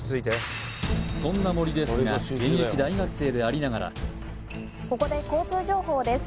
そんな森ですが現役大学生でありながらここで交通情報です